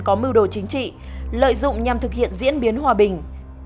có mưu đồ chính trị lợi dụng nhằm thực hiện diễn biến hòa bình